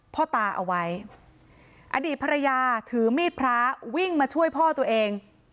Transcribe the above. พ่อตาเอาไว้อดีตภรรยาถือมีดพระวิ่งมาช่วยพ่อตัวเอง